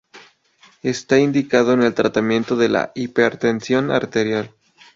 Esta indicado en el tratamiento de la hipertensión arterial.